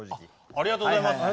ありがとうございます。